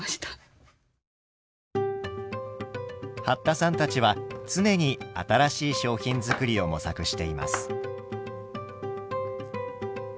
八田さんたちは常に新しい商品作りを模索しています。